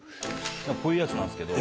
こういうやつなんですけど。